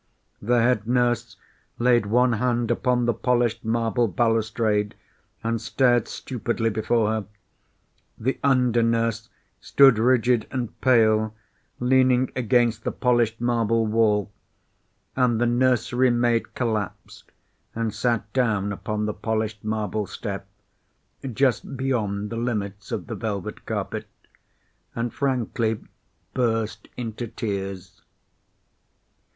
The head nurse laid one hand upon the polished marble balustrade and stared stupidly before her, the under nurse stood rigid and pale, leaning against the polished marble wall, and the nursery maid collapsed and sat down upon the polished marble step, just beyond the limits of the velvet carpet, and frankly burst into tears.